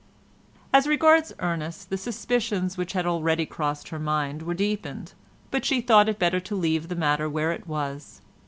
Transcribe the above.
As regards Ernest the suspicions which had already crossed her mind were deepened, but she thought it better to leave the matter where it was.